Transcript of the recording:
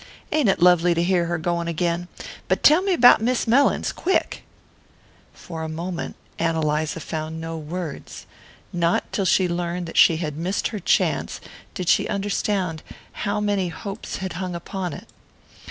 Ain't it lovely to hear her going again? But tell me about Miss Mellins, quick!" For a moment Ann Eliza found no words. Not till she learned that she had missed her chance did she understand how many hopes had hung upon it.